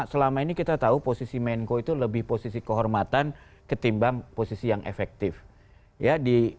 selama ini kita tahu posisi menko itu lebih posisi kehormatan ketimbang posisi yang efektif ya di